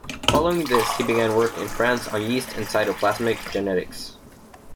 Following this he began work in France on yeast and cytoplasmic genetics.